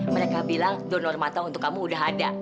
mereka bilang donor mata untuk kamu udah ada